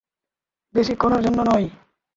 বেশিক্ষণের জন্য নয়।